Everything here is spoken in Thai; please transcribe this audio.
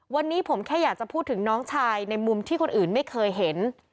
วันนี้ผมแค่อยากจะพูดถึงน้องชายในมุมที่คนอื่นไม่เคยเห็น